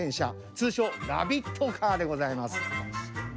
通称ラビットカーでございます。